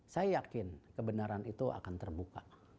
saya yakin kebenaran itu akan terbuka